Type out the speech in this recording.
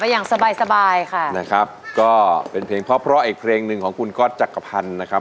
อย่าอย่าอย่าอย่าอย่าอย่า